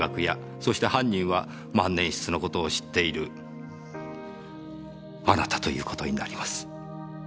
そして犯人は万年筆のことを知っているあなたということになります。